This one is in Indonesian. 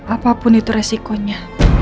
apapun itu resikonya